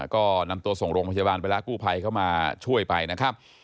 ก็นำตัวส่งโรงพยาบาลไปแล้วกู้ภัยเข้ามาช่วยไปนะครับ